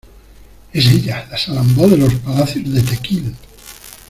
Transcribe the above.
¡ es ella, la Salambó de los palacios de Tequil!...